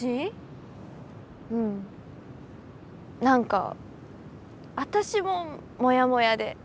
何か私ももやもやで。